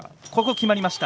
決まりました。